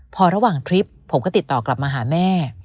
พอระหว่างทริปผมก็ติดต่อกลับมาหาแม่